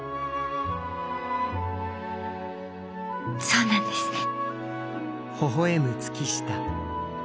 そうなんですね。